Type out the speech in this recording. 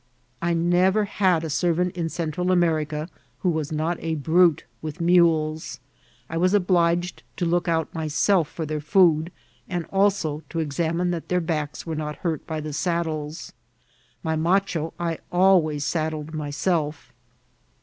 I never had a servant in Central America who waa not a brute with mules. I was obliged to look out my self for ^ir food, and also to examine that their backs were not hurt by the saddles. My macho I always sad* died myself.